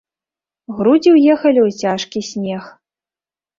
Грудзі ўехалі ў цяжкі снег.